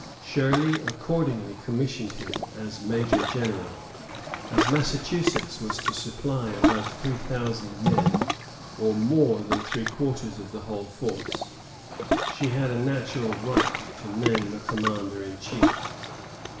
Shirley accordingly commissioned him as major general. As Massachusetts was to supply above three thousand men, or more than three quarters of the whole force, she had a natural right to name a Commander in chief.